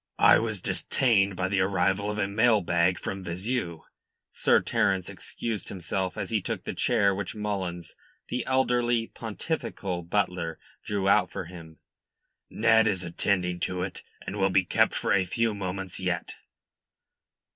"I was detained by the arrival of a mail bag from Vizeu," Sir Terence excused himself, as he took the chair which Mullins, the elderly, pontifical butler, drew out for him. "Ned is attending to it, and will be kept for a few moments yet."